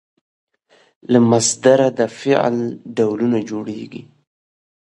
له مصدره د فعل ډولونه جوړیږي.